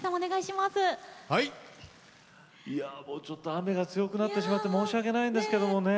雨が強くなってしまって申し訳ないんですけどね。